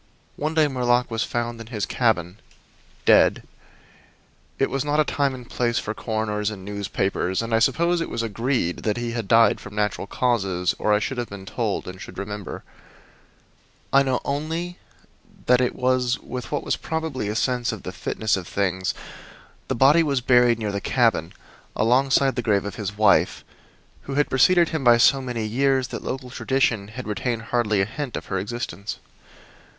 One day Murlock was found in his cabin, dead. It was not a time and place for coroners and newspapers, and I suppose it was agreed that he had died from natural causes or I should have been told, and should remember. I know only that with what was probably a sense of the fitness of things the body was buried near the cabin, alongside the grave of his wife, who had preceded him by so many years that local tradition had retained hardly a hint of her existence.